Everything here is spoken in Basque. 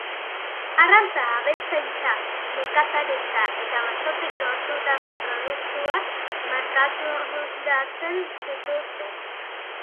Arrantza, abeltzaintza, nekazaritza eta basotik lortutako produktuak merkaturatzen zituzten.